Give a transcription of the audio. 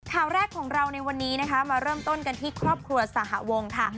ข่าวแรกของเราในวันนี้นะคะมาเริ่มต้นกันที่ครอบครัวสหวงค่ะ